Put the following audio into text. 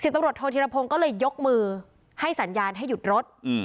ตำรวจโทษธิรพงศ์ก็เลยยกมือให้สัญญาณให้หยุดรถ